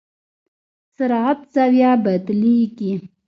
سرعت زاویه بدلېږي.